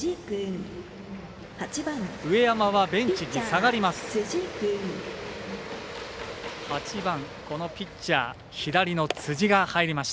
上山はベンチに下がります。